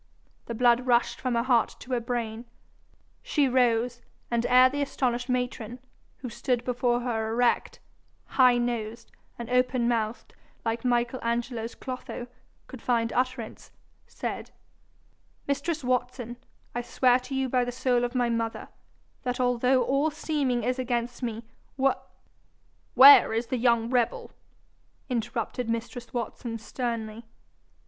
The blood rushed from her heart to her brain. She rose, and ere the astonished matron, who stood before her erect, high nosed, and open mouthed like Michael Angelo's Clotho, could find utterance, said, 'Mistress Watson, I swear to you by the soul of my mother, that although all seeming is against me, W ' 'Where is the young rebel?' interrupted mistress Watson sternly.